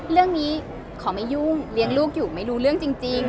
เรื่องนี้ขอไม่ยุ่งเลี้ยงลูกอยู่ไม่รู้เรื่องจริง